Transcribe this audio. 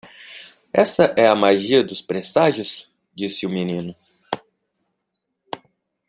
"Essa é a magia dos presságios?" disse o menino.